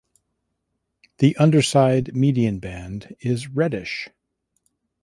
The underside median band is reddish.